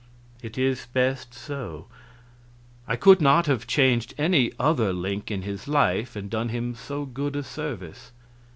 "It is best so. I could not have changed any other link in his life and done him so good a service.